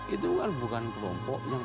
itu bukan kelompok yang